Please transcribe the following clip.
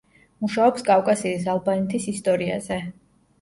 მუშაობს კავკასიის ალბანეთის ისტორიაზე.